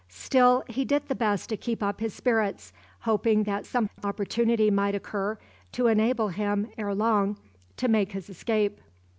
Still he did the best to keep up his spirits, hoping that some opportunity might occur to enable him ere long to make his escape.